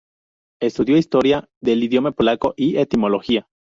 Estudió historia del idioma polaco y etimología.